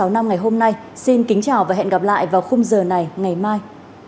sáu năm ngày hôm nay xin kính chào và hẹn gặp lại vào khung giờ này ngày mai